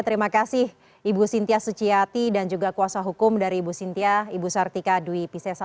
terima kasih ibu sintia suciati dan juga kuasa hukum dari ibu sintia ibu sartika dwi pisesa